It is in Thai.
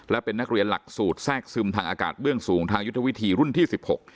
และเป็นนักเรียนหลักสูตรแทรกซึมทางอากาศเบื้องสูงทางยุทธวิธีรุ่นที่สิบหก